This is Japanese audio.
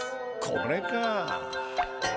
これか。